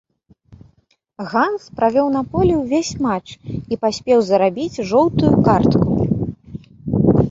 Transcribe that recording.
Ганс правёў на полі ўвесь матч і паспеў зарабіць жоўтую картку.